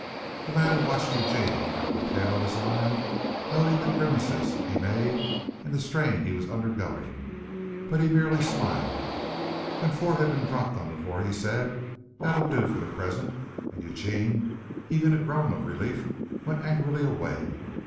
The latter watched Eugene out of the tail of his eye noting the grimaces he made and the strain he was undergoing, but he merely smiled. When four had been dropped on the floor he said: "That'll do for the present," and Eugene, heaving a groan of relief, went angrily away.